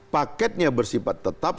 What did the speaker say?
paketnya bersifat tetap